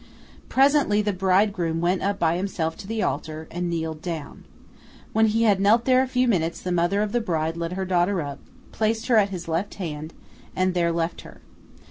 Presently the bridegroom went up by himself to the altar, and kneeled down. When he had knelt there a few minutes, the mother of the bride led her daughter up, placed her at his left hand, and there left her.